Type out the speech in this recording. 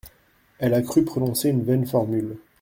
Elle a cru prononcer une vaine formule.